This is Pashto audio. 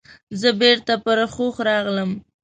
زه بیرته پر هوښ راغلم.